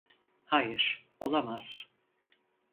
Hayır, olamaz!